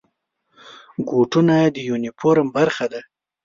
بوټونه د یونیفورم برخه ده.